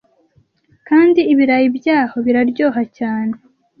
kandi ibirayi byaho biraryoha cyane